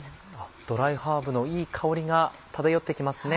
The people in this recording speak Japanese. ドライハーブのいい香りが漂って来ますね。